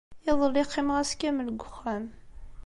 Iḍelli, qqimeɣ ass kamel deg uxxam.